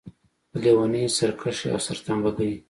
په لېونۍ سرکښۍ او سرتمبه ګۍ.